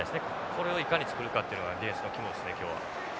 これをいかに作るかっていうのがディフェンスの肝ですね今日は。